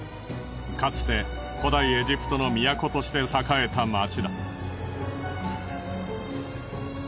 かつて古代エジプトの都として栄えた街だ。